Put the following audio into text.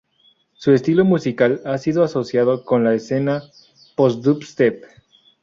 Su estilo musical ha sido asociado con la escena post-dubstep.